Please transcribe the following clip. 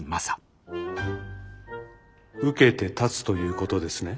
受けて立つということですね？